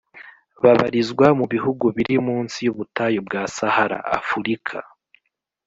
babarizwa mu bihugu biri munsi y’ ubutayu bwa sahara (afurika).